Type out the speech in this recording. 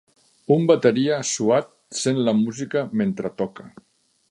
Un bateria suat sent la música mentre toca.